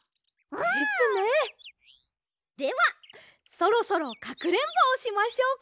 ではそろそろかくれんぼをしましょうか。